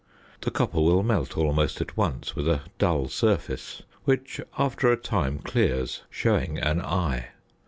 The copper will melt almost at once with a dull surface, which after a time clears, showing an "eye."